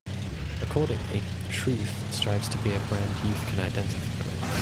Accordingly, "truth" strives to be a brand youth can identify with.